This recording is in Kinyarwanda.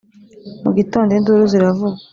mu gitondo induru ziravuga